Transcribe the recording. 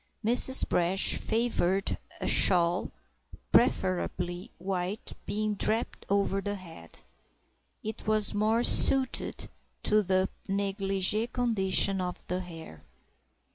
Mrs. Brash favoured a shawl—preferably white—being draped over the head; it was more suited to the négligé condition of the hair.